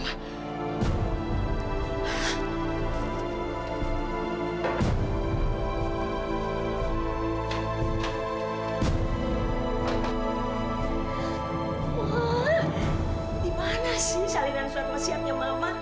ma di mana sih salinan surat wasiatnya mama